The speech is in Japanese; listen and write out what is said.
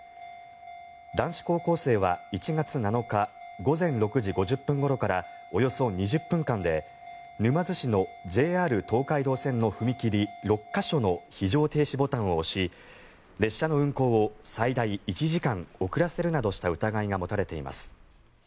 男子高校生は１月７日午前６時５０分ごろからおよそ２０分間で、沼津市のＪＲ東海道線の踏切６か所の非常停止ボタンを押し列車の運行を最大１時間遅らせるなどした疑いが持たれています。